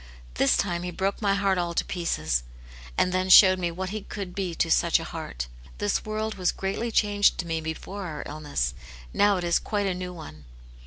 This time he broke my heart all to pieces, and then showed me what he could be to such a heart. This world was greatly changed to me before our illness ; now it is quite a new one."